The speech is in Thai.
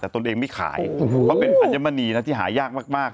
แต่ตนเองไม่ขายเพราะเป็นอัญมณีนะที่หายากมาก